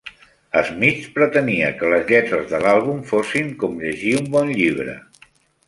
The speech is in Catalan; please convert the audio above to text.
Smith pretenia que les lletres de l'àlbum fossin com llegir un bon llibre.